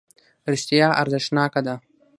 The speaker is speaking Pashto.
رښتیا ارزښتناکه ده.